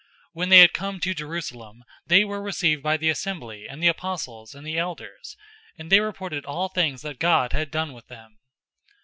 "} 015:004 When they had come to Jerusalem, they were received by the assembly and the apostles and the elders, and they reported all things that God had done with them.